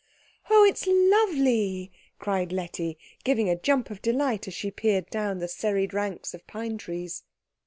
"Oh, it's lovely!" cried Letty, giving a jump of delight as she peered down the serried ranks of pine trees.